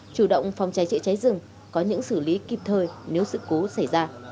chủ động phòng cháy chữa cháy rừng có những xử lý kịp thời nếu sự cố xảy ra